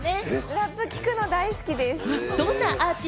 ラップ聞くの大好きです。